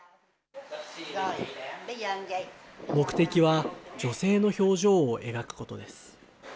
目的は、女性の表情を描くことです。